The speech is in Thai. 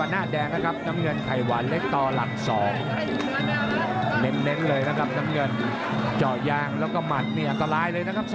เน้นที่มัดเลยนะครับนี่ครับ